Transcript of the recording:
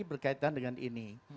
berkaitan dengan ini